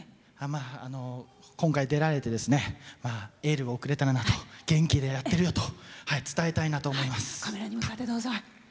今回出られてエールを送れたらなと元気でやってるよと伝えたいと思います。